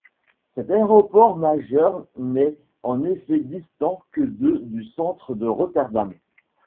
Cet aéroport majeur n'est en effet distant que de du centre de Rotterdam.